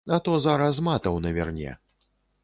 А то зараз матаў наверне.